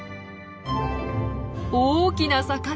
大きな魚！